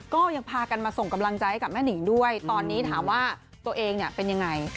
ก็ยังพากันมาส่งกำลังใจให้กับแม่นิงด้วยตอนนี้ถามว่าตัวเองเนี่ยเป็นยังไง